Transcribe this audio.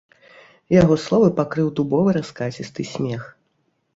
Яго словы пакрыў дубовы раскацісты смех.